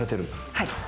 はい。